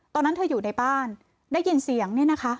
ตอนนั้นเธออยู่ในบ้านได้ยินเสียงเนี่ยนะคะ